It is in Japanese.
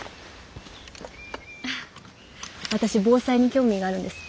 私防災に興味があるんです。